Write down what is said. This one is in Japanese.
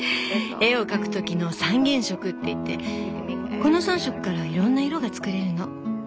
絵を描くときの「３原色」っていってこの３色からいろんな色が作れるの。